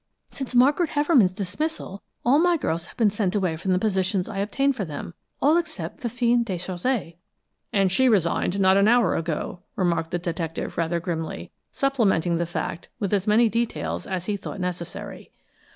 Since Margaret Hefferman's dismissal, all my girls have been sent away from the positions I obtained for them all except Fifine Déchaussée." "And she resigned not an hour ago," remarked the detective rather grimly, supplementing the fact, with as many details as he thought necessary.